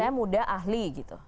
misalnya muda ahli gitu